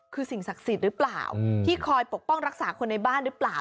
คือสิ่งศักดิ์สิทธิ์หรือเปล่าที่คอยปกป้องรักษาคนในบ้านหรือเปล่า